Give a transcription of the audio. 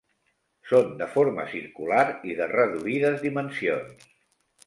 Són de forma circular i de reduïdes dimensions.